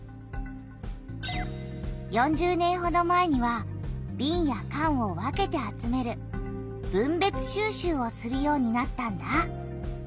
４０年ほど前にはびんやかんを分けて集める「分別収集」をするようになったんだ。